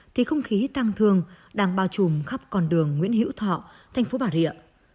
thì không khí tăng thương đang bao trùm khắp con đường nguyễn hữu thọ thành phố bà rịa